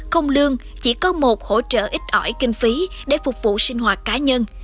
không lương chỉ có một hỗ trợ ít ỏi kinh phí để phục vụ sinh hoạt cá nhân